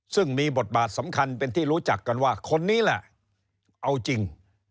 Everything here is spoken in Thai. ซึ่งมีบทบาทสำคัญเป็นที่รู้จักกันว่าคนนี้แหละเอาจริง